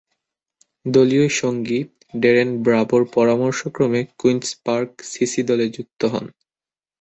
দলীয় সঙ্গী ড্যারেন ব্র্যাভো’র পরামর্শক্রমে কুইন্স পার্ক সিসি দলে যুক্ত হন।